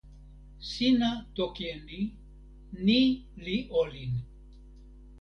sina toki e ni: ni li olin!